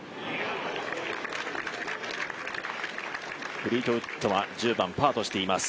フリートウッドはパーとしています。